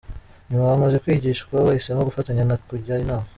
Nyuma bamaze kwigishwa bahisemo gufatanya no kujya inama.